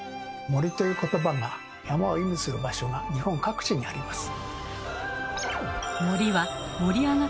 「森」ということばが山を意味する場所が日本各地にあります。